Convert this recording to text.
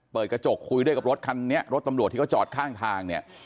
เปิดกระจกคุยด้วยกับรถคันนี้รถตำรวจที่เขาจอดข้างทางเนี่ย